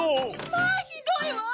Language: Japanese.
まぁひどいわ！